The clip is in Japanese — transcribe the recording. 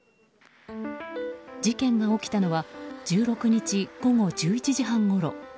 事件が起きたのは１６日午後１１時半ごろ。